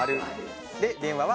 で電話は×。